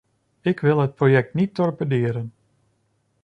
Ik wil het project niet torpederen.